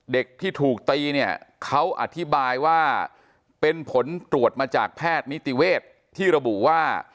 เด็กที่ถูกตีเนี่ยเขาอธิบายว่าเป็นผลตรวจมาจากแพทย์นิติเวศที่ระบุว่า